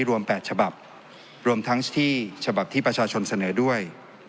รวม๘ฉบับรวมทั้งที่ฉบับที่ประชาชนเสนอด้วย